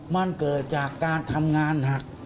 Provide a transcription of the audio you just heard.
มันเกิดจากการทำงานหัก